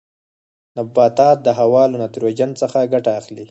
نباتات د هوا له نایتروجن څخه ګټه اخلي.